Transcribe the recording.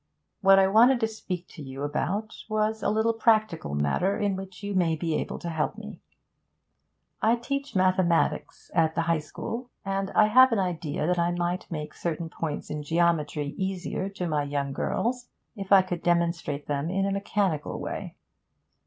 What I wanted to speak to you about was a little practical matter in which you may be able to help me. I teach mathematics at the High School, and I have an idea that I might make certain points in geometry easier to my younger girls if I could demonstrate them in a mechanical way.